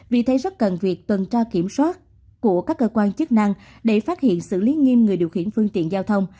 vì thế rất cần việc tuần tra kiểm soát của các cơ quan chức năng để phát hiện xử lý nghiêm người điều khiển phương tiện giao thông